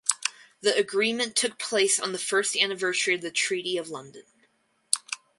The agreement took place on the first anniversary of the Treaty of London.